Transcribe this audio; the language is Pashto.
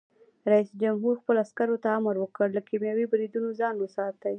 رئیس جمهور خپلو عسکرو ته امر وکړ؛ له کیمیاوي بریدونو ځان وساتئ!